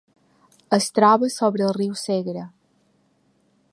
Es troba sobre el riu Segre.